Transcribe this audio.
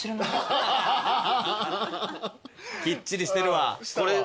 きっちりしてるわ。